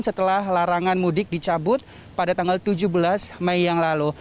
setelah larangan mudik dicabut pada tanggal tujuh belas mei yang lalu